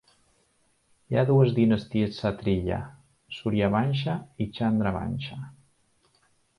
Hi ha dues dinasties kshatriya: "Surya Vansha" i "Chandra Vansha".